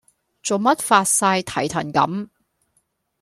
做乜發哂蹄騰咁